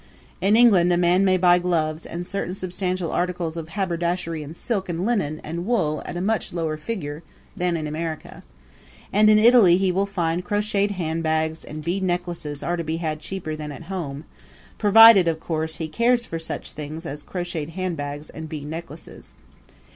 In England a man may buy gloves and certain substantial articles of haberdashery in silk and linen and wool at a much lower figure than in America; and in Italy he will find crocheted handbags and bead necklaces are to be had cheaper than at home provided, of course, he cares for such things as crocheted handbags and bead necklaces.